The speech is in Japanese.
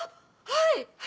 はい！